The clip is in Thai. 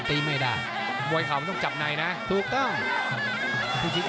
ตีไม่ได้